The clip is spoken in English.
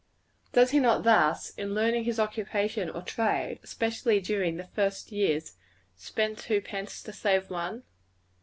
Does he not thus, in learning his occupation or trade especially during the first years spend two pence to save one?